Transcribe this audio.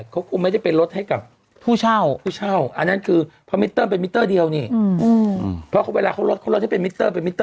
คนเราจะเป็นมิสเตอร์เป็นมิสเตอร์